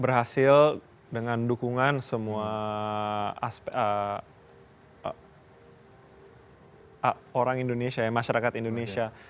berhasil dengan dukungan semua orang indonesia ya masyarakat indonesia